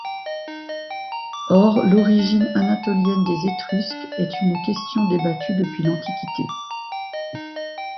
Or l’origine anatolienne des Étrusques est une question débattue depuis l’Antiquité.